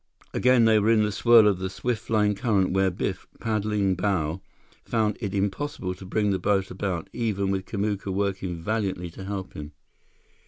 Again, they were in the swirl of the swift flowing current where Biff, paddling bow, found it impossible to bring the boat about, even with Kamuka working valiantly to help him.